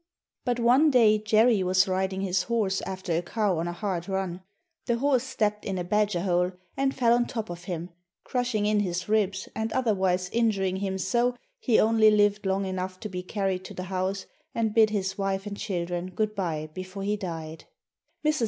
But one day Jerry was riding his horse after a cow on a hard run. The horse stepped in a badger hole and fell on top of him, crushing in his ribs and otherwise injuring him so he only lived long enough to be carried to the house and bid his wife and children good bye before he died. Mrs.